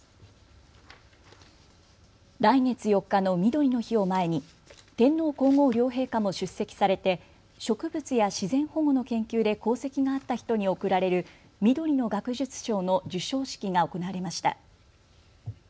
来月４日のみどりの日を前に天皇皇后両陛下も出席されて植物や自然保護の研究で功績があった人に贈られるみどりの学術賞の授賞式が行われました。